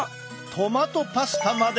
トマトパスタまで。